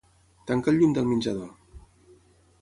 Tanca el llum del menjador.